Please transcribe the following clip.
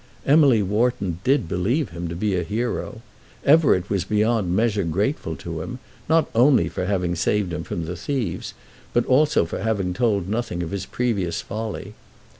Emily Wharton did believe him to be a hero. Everett was beyond measure grateful to him, not only for having saved him from the thieves, but also for having told nothing of his previous folly.